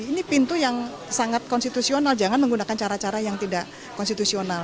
ini pintu yang sangat konstitusional jangan menggunakan cara cara yang tidak konstitusional